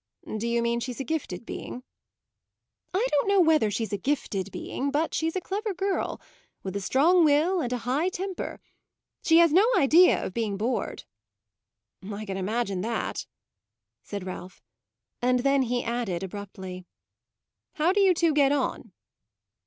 "Do you mean she's a gifted being?" "I don't know whether she's a gifted being, but she's a clever girl with a strong will and a high temper. She has no idea of being bored." "I can imagine that," said Ralph; and then he added abruptly: "How do you two get on?"